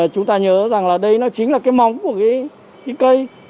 chúng ta nhớ rằng là đây nó chính là cái móng của cái cây